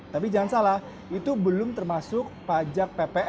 tapi jangan salah itu belum termasuk pajak ppn